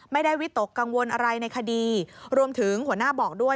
วิตกกังวลอะไรในคดีรวมถึงหัวหน้าบอกด้วย